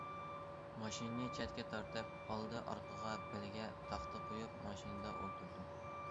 ماشىنىنى چەتكە تارتىپ، ئالدى- ئارقىغا بەلگە تاختا قويۇپ، ماشىنىدا ئولتۇردۇم.